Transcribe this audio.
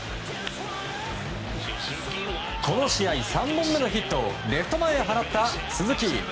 この試合、３本目のヒットをレフト前へ放った鈴木。